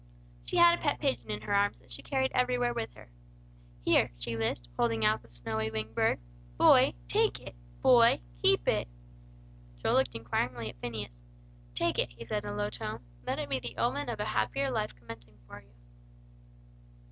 She had a pet pigeon in her arms, that she carried everywhere with her. "Here," she lisped, holding out the snowy winged bird. "Boy, take it! Boy, keep it!" Joel looked up inquiringly at Phineas. "Take it," he said, in a low tone. "Let it be the omen of a happier life commencing for you."